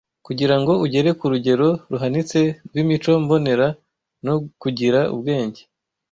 Kugira ngo ugere ku rugero ruhanitse rw’imico mbonera no kugira ubwenge